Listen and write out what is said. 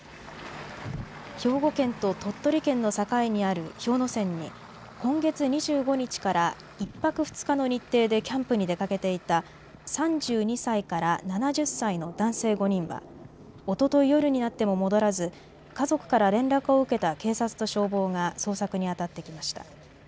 兵庫県と鳥取県の境にある氷ノ山に今月２５日から１泊２日の日程でキャンプに出かけていた３２歳から７０歳の男性５人はおととい夜になっても戻らず、家族から連絡を受けた警察と消防が捜索に当たってきました。